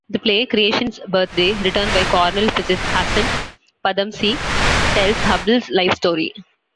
The play "Creation's Birthday", written by Cornell physicist Hasan Padamsee, tells Hubble's life story.